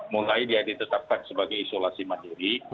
mulai dia ditetapkan sebagai isolasi mandiri